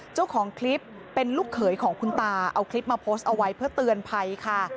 เจ้าของคลิปเป็นลูกเขยของคุณตาเอาคลิปมาโพสต์เอาไว้เพื่อเตือนภัยค่ะ